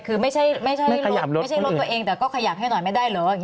คือไม่ใช่รถตัวเองแต่ก็ขยับให้หน่อยไม่ได้เหรอ